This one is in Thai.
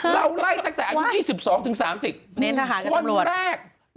เราไล่ตั้งแต่อันที่สิบสองถึงสามสิบเน้นทหารกับตำรวจ